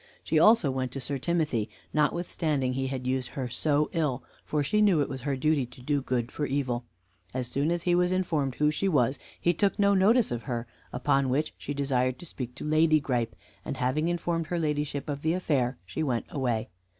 She also went to Sir Timothy, notwithstanding he had used her so ill, for she knew it was her duty to do good for evil. As soon as he was informed who she was, he took no notice of her; upon which she desired to speak to Lady Gripe, and having informed her ladyship of the affair she went away.